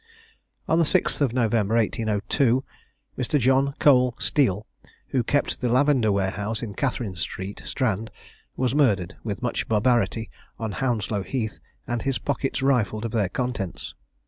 On the 6th of November, 1802, Mr. John Cole Steele, who kept the Lavender Warehouse in Catharine street, Strand, was murdered, with much barbarity, on Hounslow Heath, and his pockets rifled of their contents.